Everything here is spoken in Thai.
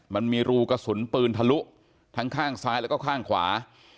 มันมีรูกระสุนปืนทะลุทั้งข้างซ้ายแล้วก็ข้างขวา